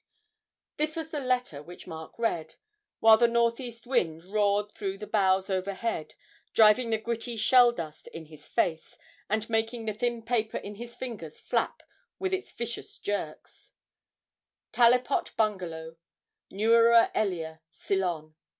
This was the letter which Mark read, while the northeast wind roared through the boughs overhead, driving the gritty shell dust in his face, and making the thin paper in his fingers flap with its vicious jerks: 'Talipot Bungalow, Newera Ellia, Ceylon.